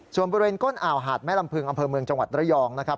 ส่วนบริเวณก้นอ่าวหาดแม่ลำพึงอำเภอเมืองจังหวัดระยองนะครับ